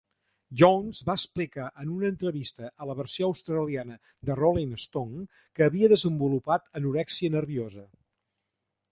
Johns va explicar en una entrevista a la versió australiana de "Rolling Stone" que havia desenvolupat anorèxia nerviosa.